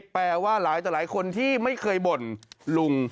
แปลว่าหลายต่อหลายคนที่ไม่เคยบ่นลุง